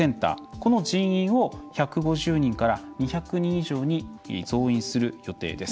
この人員を１５０人から２００人以上に増員する予定です。